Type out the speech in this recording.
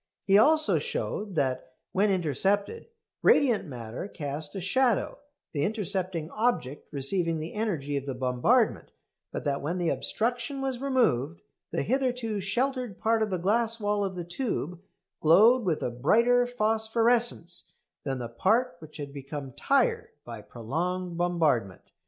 He also showed that, when intercepted, radiant matter cast a shadow, the intercepting object receiving the energy of the bombardment; but that when the obstruction was removed the hitherto sheltered part of the glass wall of the tube glowed with a brighter phosphorescence than the part which had become "tired" by prolonged bombardment.